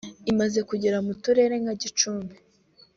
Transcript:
imaze kugera mu turere nka; Gicumbi